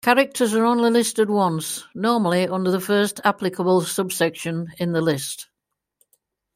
Characters are only listed once, normally under the first applicable subsection in the list.